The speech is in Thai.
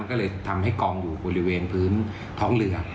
ก็เลยทำให้กองอยู่บริเวณพื้นท้องเรือ